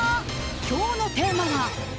今日のテーマは。